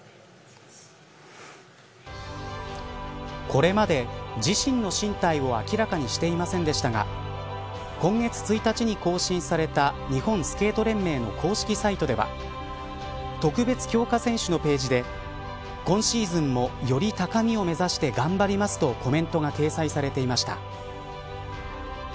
これまで自身の進退を明らかにしていませんでしたが今月１日に更新された日本スケート連盟の公式サイトでは特別強化選手のページで今シーズンも、より高みを目指して頑張りますとコメントが掲載されていました。